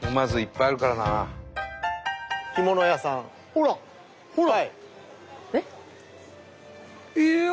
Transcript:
ほらほら。